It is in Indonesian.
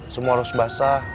semua harus basah